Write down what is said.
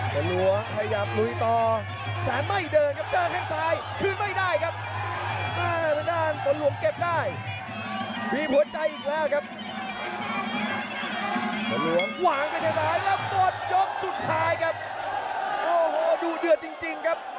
ตอนนี้ที่แน่นะนะหมดภาคปิ่ง